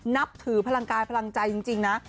นับถือพลังกายพลังใจจริงนะ